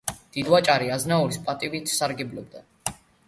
დიდვაჭარი აზნაურის პატივით სარგებლობდა.